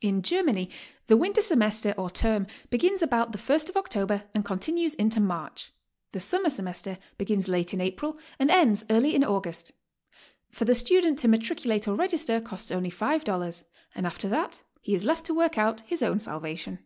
In Germany the winter semester or term begins about the first of October and continues into March; the summer semester begins late in April and ends early in August. For the student to matriculate or register costs only $5, and after that be is left to work out his own salvation.